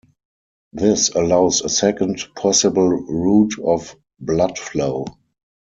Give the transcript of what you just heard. This allows a second possible route of blood flow.